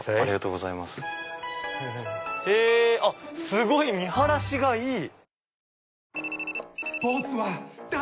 すごい見晴らしがいい。